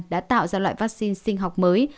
đã tạo ra loại vaccine sinh học mới